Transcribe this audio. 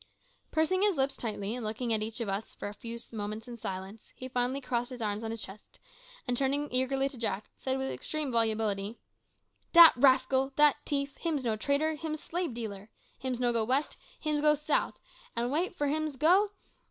Pursing his lips tightly, and looking at each of us for a few moments in silence, he finally crossed his arms on his chest, and turning eagerly to Jack, said with extreme volubility "Dat rascal! dat tief! Him's no trader, him's slabe dealer; hims no go west, hims go south; an' w'at for hims go?